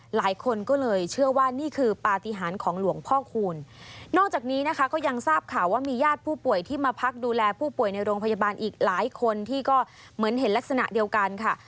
หลายคนก็เลยเชื่อว่านี่คือปฏิหารของหลวงพ่อคูณนอกจากนี้นะคะก็ยังทราบข่าวว่ามีญาติผู้ป่วยที่มาพักดูแลผู้ป่วยในโรงพยาบาลอีกหลายคนที่ก็เหมือนเห็นลักษณะเดียวกันค่ะ